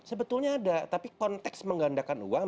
sebetulnya ada tapi konteks menggandakan uang